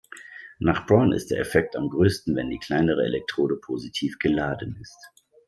Nach Brown ist der Effekt am Größten wenn die kleinere Elektrode positiv geladen ist.